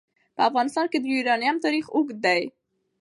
په افغانستان کې د یورانیم تاریخ اوږد دی.